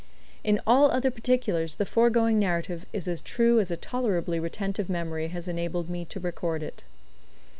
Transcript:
In all other particulars the foregoing narrative is as true as a tolerably retentive memory has enabled me to record it.